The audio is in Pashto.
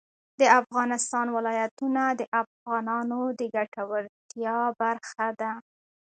د افغانستان ولايتونه د افغانانو د ګټورتیا برخه ده.